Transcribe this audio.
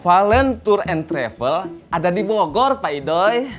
palen tour and travel ada di bogor pak ido